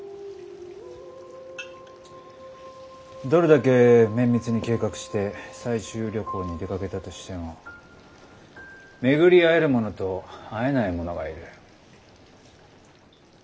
どれだけ綿密に計画して採集旅行に出かけたとしても巡り会える者と会えない者がいる。